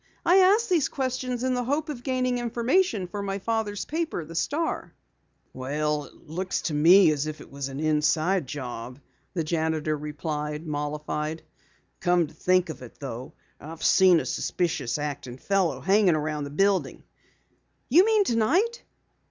"I ask these questions in the hope of gaining information for my father's paper, the Star." "Well, it looks to me as if it was an inside job," the janitor replied, mollified. "Come to think of it though, I've seen a suspicious acting fellow hanging around the building." "You mean tonight?"